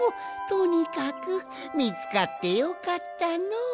とにかくみつかってよかったのう。